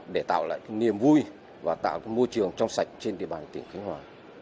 để tạo lại cái niềm vui và tạo môi trường trong sạch trên địa bàn tỉnh khánh hòa